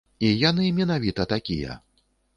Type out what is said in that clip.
І яны менавіта такія.